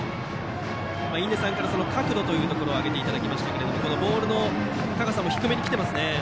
印出さんから角度というところを挙げていただきましたがボールの高さも低めにきていますね。